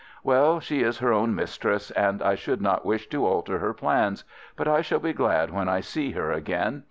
"Well, she is her own mistress, and I should not wish to alter her plans, but I shall be glad when I see her again.